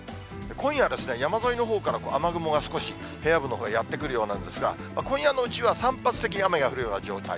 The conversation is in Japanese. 今夜ですね、山沿いのほうから雨雲が少し平野部のほうへやって来るようなんですが、今夜のうちは散発的に雨が降るような状態。